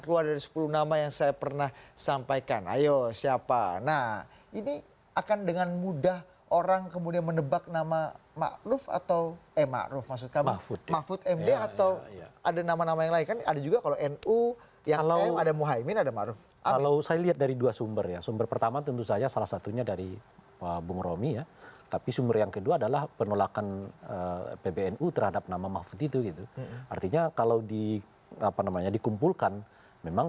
jelang penutupan pendaftaran